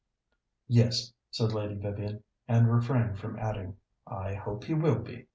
"Yes," said Lady Vivian, and refrained from adding, "I hope he will be."